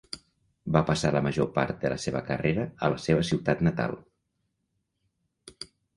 Va passar la major part de la seva carrera a la seva ciutat natal.